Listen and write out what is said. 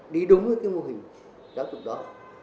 đi đúng với cái mô hình giáo dục đó